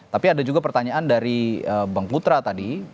tapi ada juga pertanyaan dari bang putra tadi